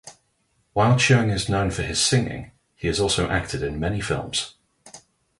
While Cheung is known for his singing, he has also acted in many films.